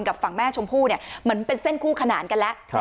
กับฝั่งแม่ชมพู่เนี่ยเหมือนเป็นเส้นคู่ขนานกันแล้ว